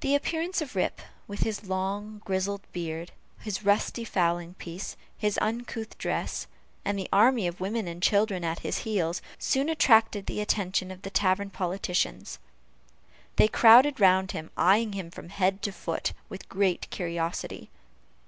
The appearance of Rip, with his long, grizzled beard, his rusty fowling piece, his uncouth dress, and the army of women and children at his heels, soon attracted the attention of the tavern politicians. They crowded round him, eying him from head to foot, with great curiosity.